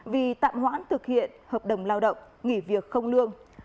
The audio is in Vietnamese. vì tạm hoãn thực hiện hợp đồng lao động nghỉ việc không lương